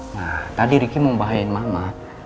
nah tadi riki membahayain mama